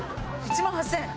１万８０００円！